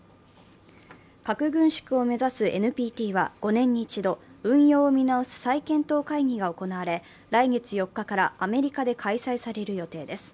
核軍縮を目指すＮＰＴは５年に一度、運用を見直す再検討会議が行われ、来月４日からアメリカで開催される予定です。